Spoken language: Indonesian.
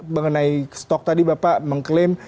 mengenai stok tadi bapak mengklaim